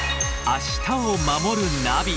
「明日をまもるナビ」